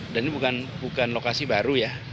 dan ini bukan lokasi baru ya